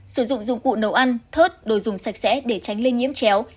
sử dụng dụng cụ nấu ăn thớt đồ dùng sạch sẽ để tránh lây nhiễm chéo